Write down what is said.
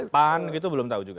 pan gitu belum tahu juga